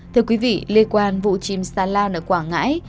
thưa quý vị liên quan vụ chìm xa lao nở quảng ngãi